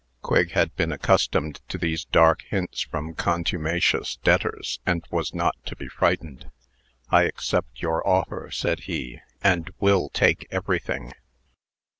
Quigg had been accustomed to these dark hints from contumacious debtors, and was not to be frightened. "I accept your offer," said he, "and will take everything."